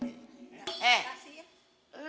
terima kasih ya